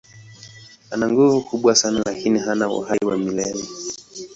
Ana nguvu kubwa sana lakini hana uhai wa milele.